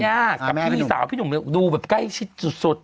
กับทีวีสาวพี่หนุ่มดูแบบใกล้ชิดสุด